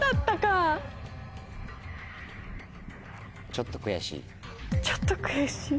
ちょっと悔しい？